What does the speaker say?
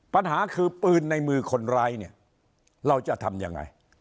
ปัญหาคือปืนในมือคนร้ายเนี่ยเราจะทำยังไง